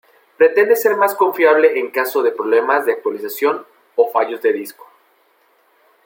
Pretende ser más confiable en caso de problemas de actualización o fallos de disco.